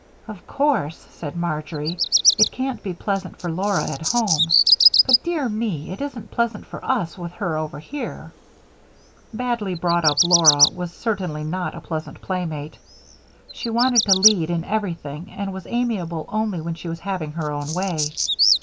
"Of course," said Marjory, "it can't be pleasant for Laura at home, but, dear me, it isn't pleasant for us with her over here." Badly brought up Laura was certainly not a pleasant playmate. She wanted to lead in everything and was amiable only when she was having her own way.